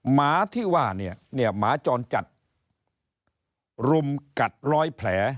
หมาที่ว่าเนี่ยหมาจรจัดรุมกัดร้อยแผล